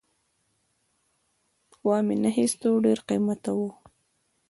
وامې نه خیسته ډېر قیمته وو